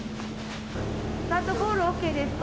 スタットコールＯＫですか？